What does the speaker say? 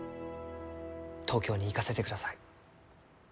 東京に行かせてください。